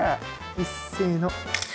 いっせの！